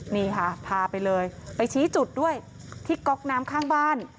นี่ค่ะพาไปเลยไปชี้จุดด้วยที่ก๊อกน้ำข้างบ้าน